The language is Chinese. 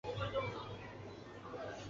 蒂米什县是罗马尼亚西部的一个县。